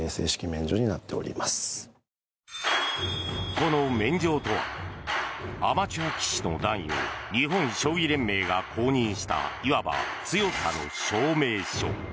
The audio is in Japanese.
この免状とはアマチュア棋士の段位を日本将棋連盟が公認したいわば強さの証明書。